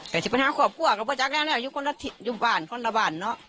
แต่ถึงปัญหาขวบกว่าก็บอกว่าจักรแหละเนี่ยอยู่คนละทิศอยู่บ้านคนละบ้านเนอะ